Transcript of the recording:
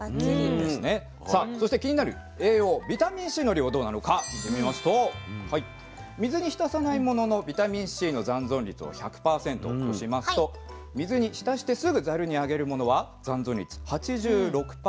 さあそして気になる栄養ビタミンＣの量どうなのか見てみますと水に浸さないもののビタミンＣの残存率を１００％としますと水に浸してすぐざるにあげるものは残存率８６％。